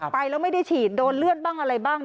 ไปแล้วไม่ได้ฉีดโดนเลือดบ้างอะไรบ้าง